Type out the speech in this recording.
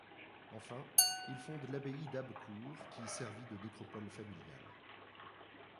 Enfin, il fonde l'abbaye d'Abecourt, qui servit de nécropole familiale.